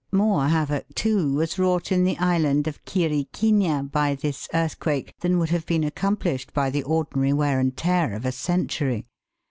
More havoc, too, was wrought in the island of Quiri quina by this earthquake than would have been accom plished by the ordinary wear and tear of a century.